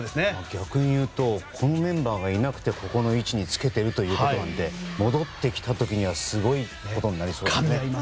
逆に言うとこのメンバーがいなくてこの位置につけているということなので戻ってきた時にはすごいことになりそうですね。